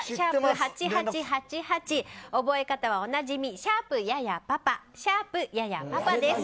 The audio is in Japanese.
８８８８覚え方はおなじみシャープ、ややパパシャープ、ややパパです。